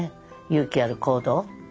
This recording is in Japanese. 勇気ある行動。